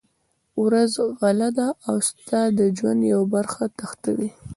ورځ غله ده او ستا د ژوند یوه برخه تښتوي.